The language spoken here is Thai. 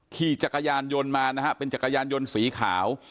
ขี่จักรยานยนต์มานะฮะเป็นจักรยานยนต์สีขาว